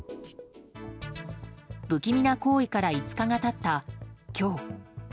不気味な行為から５日が経った今日。